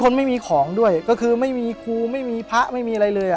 คนไม่มีของด้วยก็คือไม่มีครูไม่มีพระไม่มีอะไรเลย